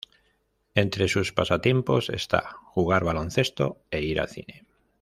Entre sus pasatiempos está jugar baloncesto e ir al cine.